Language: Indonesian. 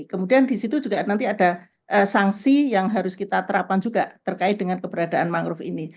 kemudian di situ juga nanti ada sanksi yang harus kita terapkan juga terkait dengan keberadaan mangrove ini